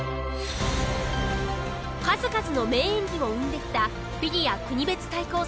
数々の名演技を生んできたフィギュア国別対抗戦。